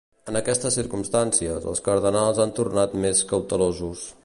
En aquestes circumstàncies, els cardenals han tornat més cautelosos.